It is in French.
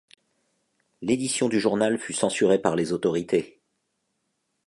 L'édition du journal fut censurée par les autorités.